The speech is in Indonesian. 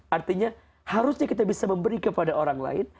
artinya harusnya kita bisa memberi kepada orang lain